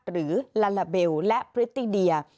หรือลาลาเบลและพริตติเดีย